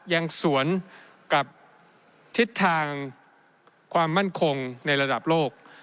ยังสวนกับทิศทางความมั่นคงในระดับโลก